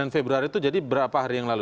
sembilan februari itu jadi berapa hari yang lalu